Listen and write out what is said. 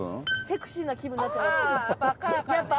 セクシーな気分になってます